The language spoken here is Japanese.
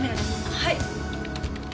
はい！